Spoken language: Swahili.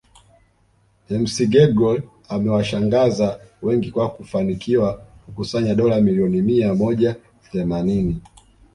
McGregor amewashangaza wengi kwa kufanikiwa kukusanya dola milioni mia moja themanini